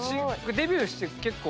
デビューして結構。